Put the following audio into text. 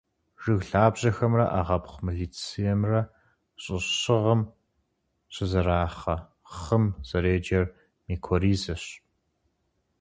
Жыг лъабжьэхэмрэ ӏэгъэбэгу мицелиимрэ щӏы щӏыгъым щызэрахъэ хъым зэреджэр микоризэщ.